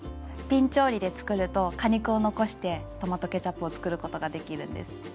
びん調理で作ると果肉を残してトマトケチャップを作ることができるんです。